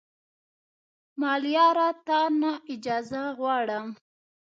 ملیاره تا نه اجازه غواړم